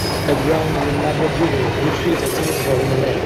a brown labradoodle retrieves a tennis ball in a lake